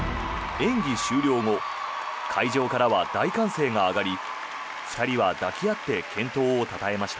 演技終了後会場からは大歓声が上がり２人は抱き合って健闘をたたえました。